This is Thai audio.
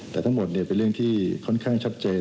แต่ทั้งหมดเป็นเรื่องที่ค่อนข้างชัดเจน